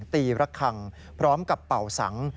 ตีรักฆังพร้อมกับเป่าสัง